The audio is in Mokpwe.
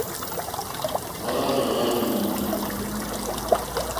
Hwálánà hwá nǐ.